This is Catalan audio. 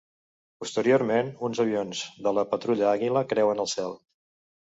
Posteriorment uns avions de la Patrulla Àguila creuen el cel.